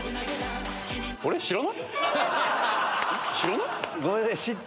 知らない？